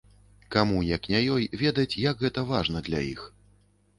Каму, як не ёй, ведаць, як гэта важна для іх.